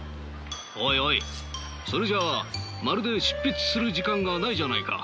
おいおいそれじゃあまるで執筆する時間がないじゃないか。